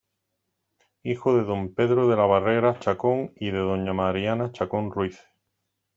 Hijo de don Pedro de la Barrera Chacón y de doña Mariana Chacón Ruíz.